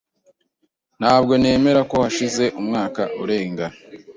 Ntabwo nemera ko hashize umwaka urenga.